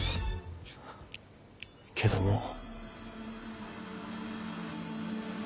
けどもう。